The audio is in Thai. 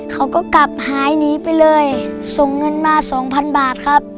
เขาก็กลับหายหนีไปเลยส่งเงินมาสองพันบาทครับ